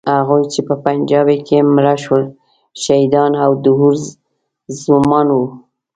هغوی چې په پنجابۍ کې مړه شول، شهیدان او د حورو زومان وو.